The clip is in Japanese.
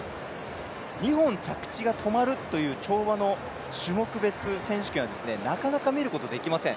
２本着地が止まるという跳馬の種目別選手権はなかなか見ることできません。